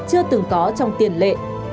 chưa từng có trong tiền lệ